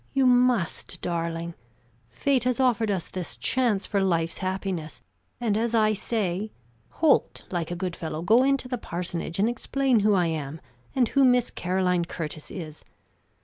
You must, darling! Fate has offered us a chance for life's happiness, and as I say Holt, like a good fellow, go into the parsonage and explain who I am, and who Miss Caroline Curtis is.